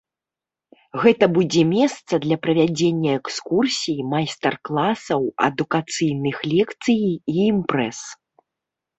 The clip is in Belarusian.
Гэта будзе месца для правядзення экскурсій, майстар-класаў, адукацыйных лекцый і імпрэз.